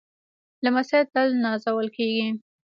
لمسی تل نازول کېږي.